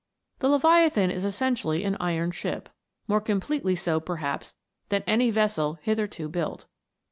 The Leviathan is essentially an iron ship, more completely so perhaps than any vessel hitherto built.